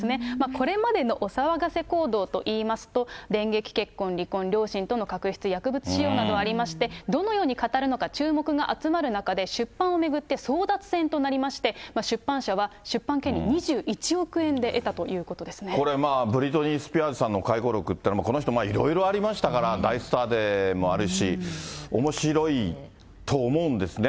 これまでのお騒がせ行動といいますと、電撃結婚、離婚、両親との確執、薬物使用などありまして、どのように語るのか注目が集まる中で、出版を巡って争奪戦となりまして、出版社は出版権利、これ、ブリトニー・スピアーズさんの回顧録っていえば、この人いろいろありましたから、大スターでもあるし、おもしろいと思うんですね。